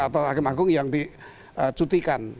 atau hakim agung yang dicutikan